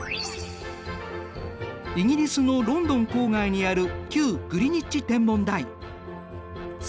イギリスのロンドン郊外にある旧グリニッジ天文台。